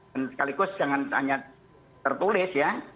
dan sekaligus jangan hanya tertulis ya